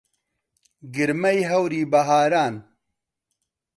گرمەی هەوری بەهاران